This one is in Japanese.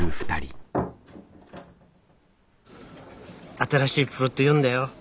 新しいプロット読んだよ。